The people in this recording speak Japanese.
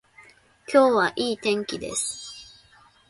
今日はいい天気です